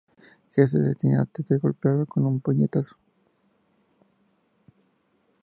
Jesse se detiene antes de golpearlo con un puñetazo.